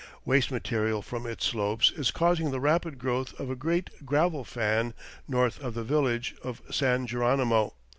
Waste material from its slopes is causing the rapid growth of a great gravel fan north of the village of San Geronimo.